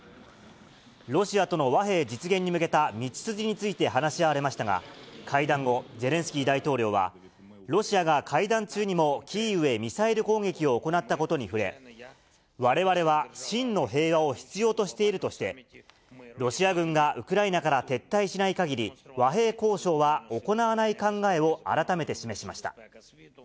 ロシアとの和平実現に向けた道筋について話し合われましたが、会談後、ゼレンスキー大統領は、ロシアが会談中にもキーウへミサイル攻撃を行ったことに触れ、われわれは真の平和を必要としているとして、ロシア軍がウクライナから撤退しないかぎり、和平交渉は行わない考えを改めて示しました。